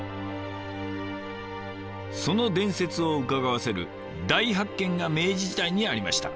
その伝説をうかがわせる「大発見」が明治時代にありました。